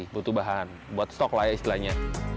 butuh bahan buat stok lah ya istilahnya